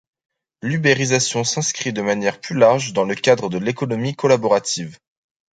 L'uberisation s'inscrit de manière plus large dans le cadre de l'économie collaborative.